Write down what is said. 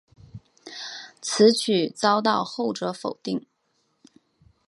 此举遭到后者否定。